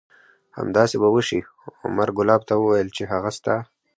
همداسې به وشي. عمر کلاب ته وویل چې هغه ستا